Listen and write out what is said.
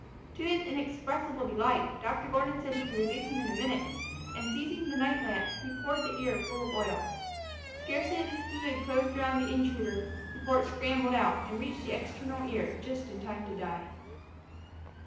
To his inexpressible delight Dr. Gordon said he could relieve him in a minute; and seizing the night lamp he poured the ear full of oil. Scarcely had this fluid closed around the intruder, before it scrambled out, and reached the external ear just in time to die.